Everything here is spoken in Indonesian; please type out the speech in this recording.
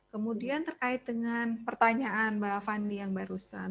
kemudian terkait dengan pertanyaan mbak avandi yang barusan